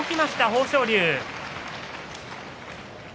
豊昇龍。